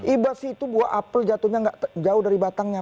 ibas itu buah apel jatuhnya nggak jauh dari batangnya